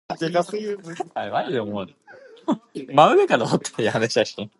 On hearing of this Arthur asks Bedwyr to carry him to the lakeside.